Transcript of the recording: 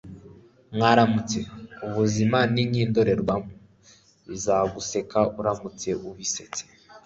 mwaramutse. ubuzima ni nk'indorerwamo: bizaguseka uramutse ubisetse